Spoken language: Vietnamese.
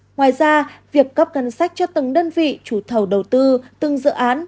ngoài ra việc cấp ngân sách cho từng đơn vị chủ thầu đầu tư từng dự án